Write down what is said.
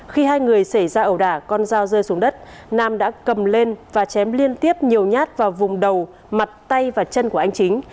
khi hai người xảy ra ẩu đả con dao rơi xuống đất nam đã cầm lên và chém liên tiếp nhiều nhát vào vùng đầu mặt tay và chân của anh chính